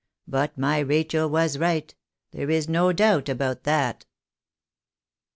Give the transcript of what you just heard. But ray Rachel was right. There is no doubt about that."